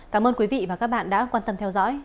cảm ơn quý vị và các bạn đã quan tâm theo dõi